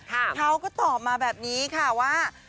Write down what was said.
ครับเท้าก็ตอบมาแบบนี้ค่ะว่า